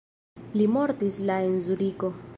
Li mortis la en Zuriko.